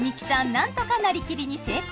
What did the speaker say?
何とかなりきりに成功！